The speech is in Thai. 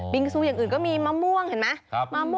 งซูอย่างอื่นก็มีมะม่วงเห็นไหม